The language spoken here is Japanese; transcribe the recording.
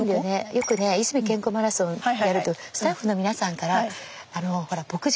よくねいすみ健康マラソンやるとスタッフの皆さんからほら牧場の。